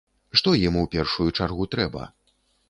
Што ім у першую чаргу трэба?